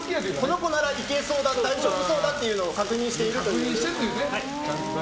この子ならいけそうだ大丈夫そうだということを確認しているという。